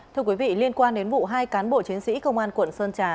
thưa quý vị liên quan đến vụ hai cán bộ chiến sĩ công an quận sơn trà